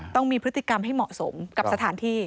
ต้องมีพฤติกรรมให้เหมาะสมกับสถานที่